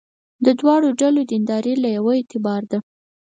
د دواړو ډلو دینداري له یوه اعتباره ده.